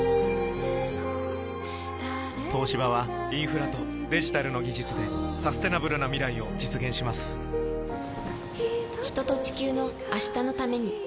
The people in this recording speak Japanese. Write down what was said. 東芝はインフラとデジタルの技術でサステナブルな未来を実現します人と、地球の、明日のために。